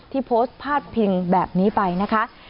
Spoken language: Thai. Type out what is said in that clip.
ที่โพสต์พาดพิงแบบนี้ไปนะคะ